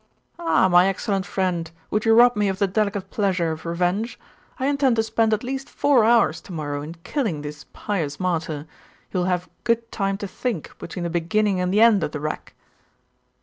'Ah, my excellent friend, would you rob me of the delicate pleasure of revenge? I intend to spend at least four hours to morrow in killing this pious martyr. He will have a good time to think, between the beginning and the end of the rack.